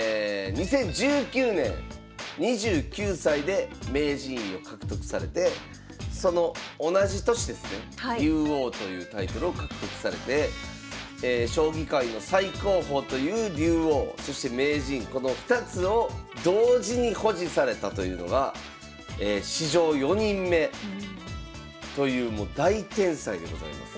２０１９年２９歳で名人位を獲得されてその同じ年ですね竜王というタイトルを獲得されて将棋界の最高峰という竜王そして名人この２つを同時に保持されたというのは史上４人目というもう大天才でございます。